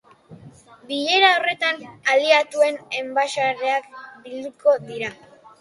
Bilera horretan aliatuen enbaxadoreak bilduko dira.